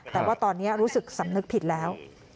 แต่ว่าตอนนี้รู้สึกสำนึกผิดแล้ว